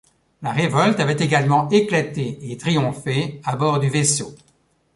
La révolte avait également éclaté et triomphé à bord du vaisseau.